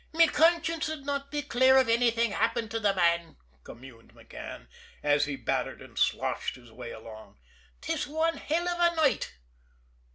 "Me conscience 'ud not be clear av anything happened the man," communed McCann, as he battered and sloshed his way along. "'Tis wan hell av a night!"